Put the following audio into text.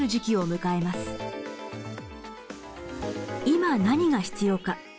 今何が必要か。